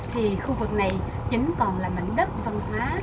thì khu vực này chính còn là mảnh đất văn hóa